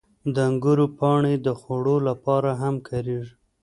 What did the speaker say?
• د انګورو پاڼې د خوړو لپاره هم کارېږي.